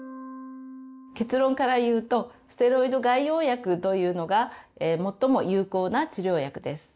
結論から言うとステロイド外用薬というのが最も有効な治療薬です。